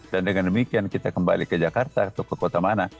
dan dengan demikian kita kembali ke jakarta atau ke kota mana